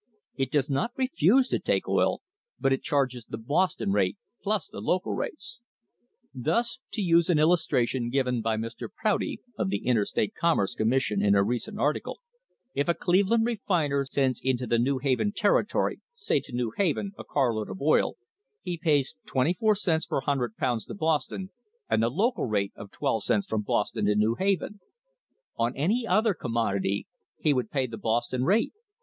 It does not refuse to take oil, but it charges the Boston rate plus the local rates. Thus, to use an illustration given by Mr. Prouty, of the In terstate Commerce Commission, in a recent article, if a Cleve land refiner sends into the New Haven territory, say to New Haven, a car load of oil, he pays 24 cents per 100 pounds to Boston and the local rate of 12 cents from Boston to New Haven. On any other commodity he would pay the Boston rate.